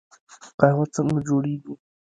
قهوه څنګه جوړیږي؟